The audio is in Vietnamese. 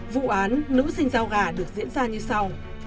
vụ án nữ sinh giao gà được diễn ra như sau